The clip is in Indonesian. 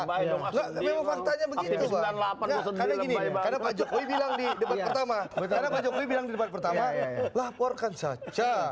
enggak memang faktanya begitu karena gini karena pak jokowi bilang di debat pertama karena pak jokowi bilang di debat pertama laporkan saja